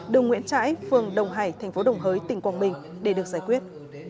đường nguyễn trãi phường đồng hải thành phố đồng hới tỉnh quảng bình để được giải quyết